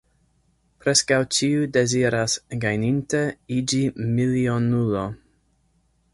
Preskaŭ ĉiu deziras gajninte iĝi milionulo.